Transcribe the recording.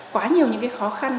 quá nhiều những khó khăn